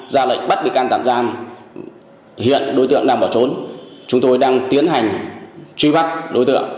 ra lệnh bắt bị can tạm giam hiện đối tượng đang bỏ trốn chúng tôi đang tiến hành truy bắt đối tượng